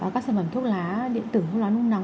các sản phẩm thuốc lá điện tử thuốc lá nung nóng